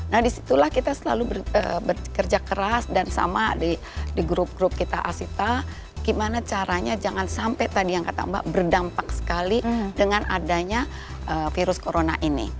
nah disitulah kita selalu bekerja keras dan sama di grup grup kita asita gimana caranya jangan sampai tadi yang kata mbak berdampak sekali dengan adanya virus corona ini